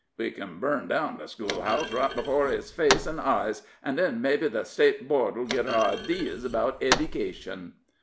"We ken burn down the schoolhouse right before his face and eyes, and then mebbe the State Board'll git our idees about eddycation."